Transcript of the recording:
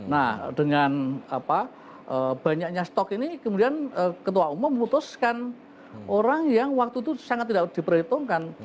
nah dengan banyaknya stok ini kemudian ketua umum memutuskan orang yang waktu itu sangat tidak diperhitungkan